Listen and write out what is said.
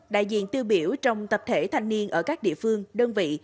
đại diện tiêu biểu trong tập thể thanh niên ở các địa phương đơn vị